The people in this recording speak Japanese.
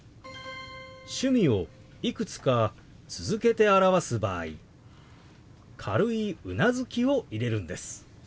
趣味をいくつか続けて表す場合軽いうなずきを入れるんです。